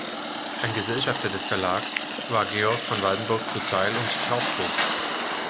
Ein Gesellschafter des Verlages war Georg von Waldburg zu Zeil und Trauchburg.